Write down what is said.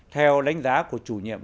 theo đánh giá của chủ nhiệm